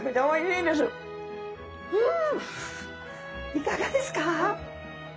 いかがですか？